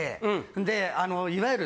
であのいわゆる。